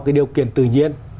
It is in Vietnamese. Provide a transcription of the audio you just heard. cái điều kiện tự nhiên